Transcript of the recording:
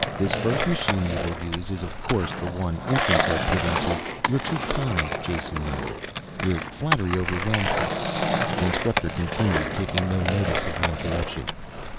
This first machine you will use is of course the one infants are put into " "You're too kind," Jason murmured. "Your flattery overwhelms me." The instructor continued, taking no notice of the interruption.